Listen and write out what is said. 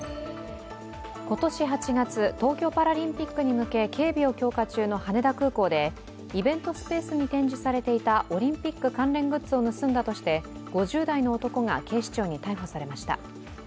今年８月、東京パラリンピックに向け警備を強化中の羽田空港でイベントスペースに展示されていたオリンピック関連グッズを盗んだとして５０代の男が警視庁に逮捕されました。